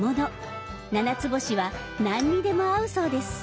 ななつぼしは何にでも合うそうです。